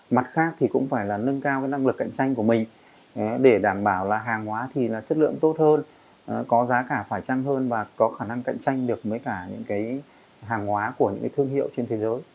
mặt khác thì cũng phải là nâng cao cái năng lực cạnh tranh của mình để đảm bảo là hàng hóa thì là chất lượng tốt hơn có giá cả phải trăng hơn và có khả năng cạnh tranh được với cả những cái hàng hóa của những thương hiệu trên thế giới